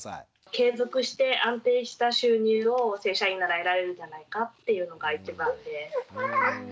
継続して安定した収入を正社員なら得られるんじゃないかっていうのが一番で。